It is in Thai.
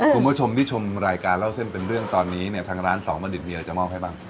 คุณผู้ชมที่ชมรายการเล่าเส้นเป็นเรื่องตอนนี้เนี่ยทางร้านสองบัณฑิตมีอะไรจะมอบให้บ้าง